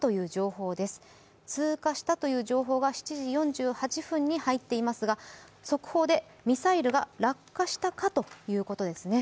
通過したという情報は７時４８分に入っていますが、速報で、ミサイルが落下したかということですね。